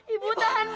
ibu tahan ibu